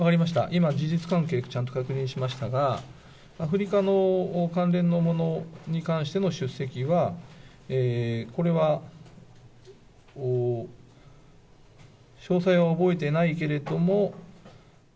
今、事実関係をちゃんと確認しましたが、アフリカの関連のものに関しての出席は、これは、詳細を覚えていないけれども。